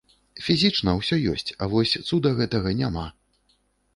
Фізічна ўсё ёсць, а вось цуда гэтага няма.